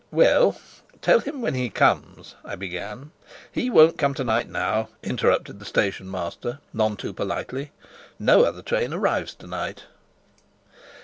"Well, tell him when he comes " I began. "He won't come to night, now," interrupted the stationmaster, none too politely. "No other train arrives to night."